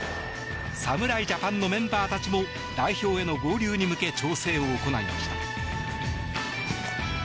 侍ジャパンのメンバーたちも代表への合流に向け調整を行いました。